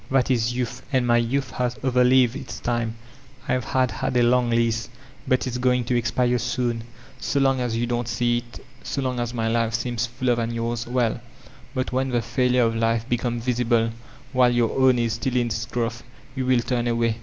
That is youth, and my youth has overlived its time. I've had a long lease, but it's going to expire soon. So long as you don't see it, so long as my life seems fuller than yours — ^well —; but when the failure of life becomes visible, while your own is still in its growth, you will turn away.